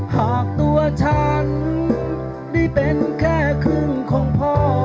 หากตัวฉันได้เป็นแค่ครึ่งของพ่อ